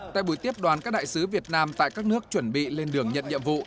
tại buổi tiếp đoàn các đại sứ việt nam tại các nước chuẩn bị lên đường nhận nhiệm vụ